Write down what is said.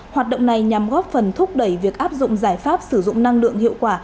hoạt động này nhằm góp phần thúc đẩy việc áp dụng giải pháp sử dụng năng lượng hiệu quả